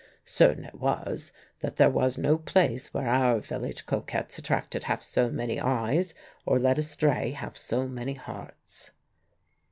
Certain it was, that there was no place where our village coquettes attracted half so many eyes or led astray half so many hearts.